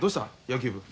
野球部。